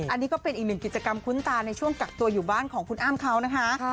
อันนี้ก็เป็นอีกหนึ่งกิจกรรมคุ้นตาในช่วงกักตัวอยู่บ้านของคุณอ้ำเขานะคะ